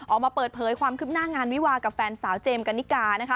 ออกมาเปิดเผยความคืบหน้างานวิวากับแฟนสาวเจมส์กันนิกานะคะ